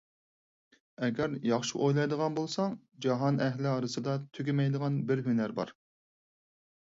ئەگەر ياخشى ئويلايدىغان بولساڭ، جاھان ئەھلى ئارىسىدا تۈگىمەيدىغان بىر ھۈنەر بار.